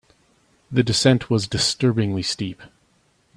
The descent was disturbingly steep.